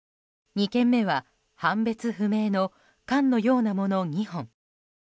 ２件目は判別不明の缶のようなもの２本。